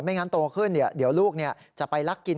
งั้นโตขึ้นเดี๋ยวลูกจะไปลักกิน